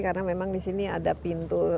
karena memang disini ada pintu